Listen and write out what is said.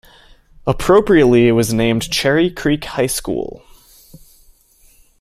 Appropriately, it was named Cherry Creek High School.